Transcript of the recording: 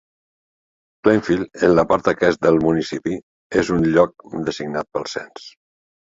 Plainfield, en la part aquest del municipi, és un lloc designat pel cens.